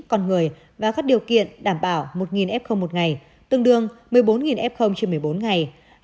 con người và các điều kiện đảm bảo một f một ngày tương đương một mươi bốn f trên một mươi bốn ngày